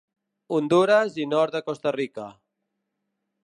Hondures i nord de Costa Rica.